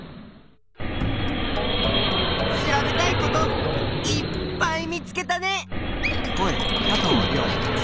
調べたいこといっぱい見つけたね。